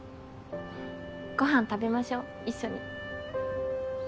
ご飯食べましょう一緒に。